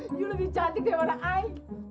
ayu lebih cantik daripada ayu